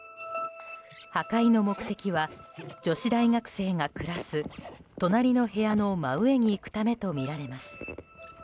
破壊の目的は女子大学生が暮らす隣の部屋の真上に行くためとみられます。